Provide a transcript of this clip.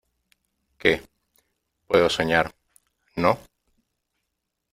Qué , puedo soñar ,¿ no ?